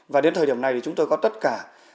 và đến thời điểm này thì chúng tôi có tất cả